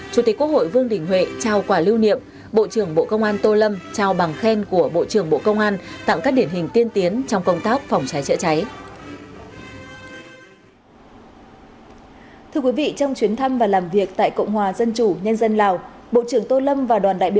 chủ tịch quốc hội vương đình huệ trao quả lưu niệm bộ trưởng bộ công an tô lâm trao bằng khen của bộ trưởng bộ công an tặng các điển hình tiên tiến trong công tác phòng cháy chữa cháy